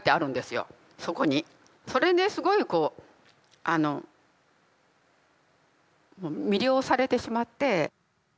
それですごいこうあのもう魅了されてしまって。